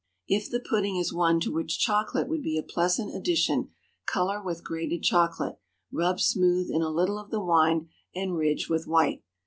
If the pudding is one to which chocolate would be a pleasant addition, color with grated chocolate, rubbed smooth in a little of the wine, and ridge with white.